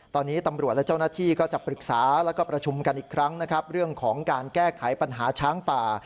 ตอนนี้ตำรวจและเจ้าหน้าที่ก็จะปรึกษาแล้วก็ประชุมกันอีกครั้งนะครับเรื่องของการแก้ไขปัญหาช้างป่า